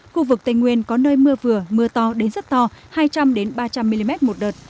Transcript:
khu vực tây nguyên có nơi mưa vừa mưa to đến rất to hai trăm linh ba trăm linh mm một đợt